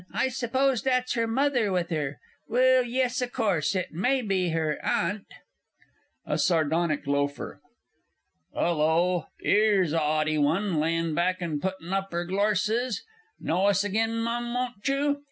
I s'pose that's her Mother with her well, yes, o' course it may be her Aunt! A SARDONIC LOAFER. 'Ullo, 'ere's a 'aughty one! layin' back and puttin' up 'er glorses! Know us agen, Mum, won't you?